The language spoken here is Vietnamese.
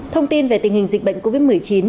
thông tin về tình hình dịch bệnh covid một mươi chín